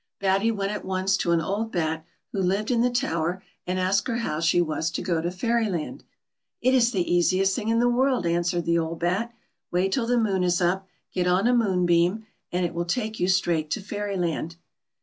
Batty went at once to an old bat who lived in the tower, and asked her how she was to go to Fairyland. " It is the easiest thing in the world," answered the old bat ; "wait till the moon is up, get on a moonbeam, and it will take you straight to Fairyland."